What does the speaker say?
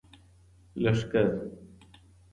لښکر